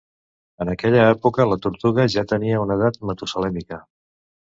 En aquella època la tortuga ja tenia una edat matusalèmica.